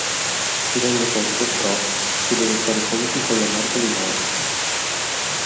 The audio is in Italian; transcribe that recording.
Si rende conto, però, che deve fare i conti con la morte di Mark.